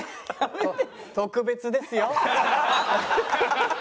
「特別ですよ」。